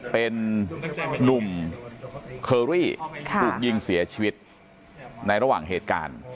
เป็นนุ่มเคอรี่ถูกยิงเสียชีวิตในระหว่างเหตุการณ์